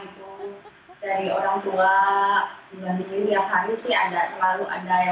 itu dari orang tua dibantuin tiap hari sih ada selalu ada yang bantuin